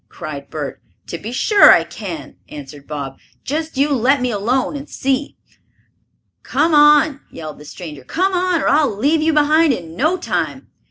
cried Bert. "To be sure I can!" answered Bob. "Just you let me alone and see." "Come on!" yelled the stranger. "Come on, or I'll leave you behind in no time!"